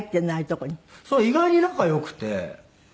そう意外に仲良くて。